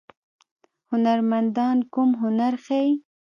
هنرمندان کوم هنر ښيي؟